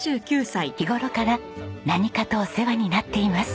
日頃から何かとお世話になっています。